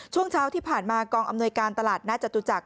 ช่วงเช้าที่ผ่านมากองอำนวยการตลาดนัดจตุจักร